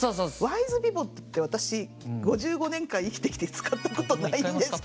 ワイズピボットって私５５年間生きてきて使ったことないんですけど。